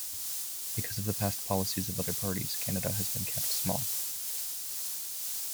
Because of the past policies of other parties, Canada has been kept small.